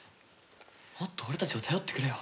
もっと俺たちを頼ってくれよ。